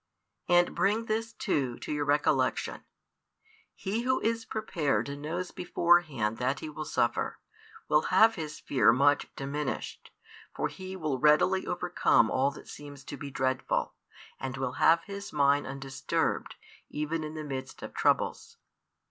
And bring this, too, to your recollection; He who is prepared and knows beforehand that he will suffer, will have his fear much diminished; for he will readily overcome all that seems to be dreadful, and will have his mind undisturbed, even in the midst of troubles.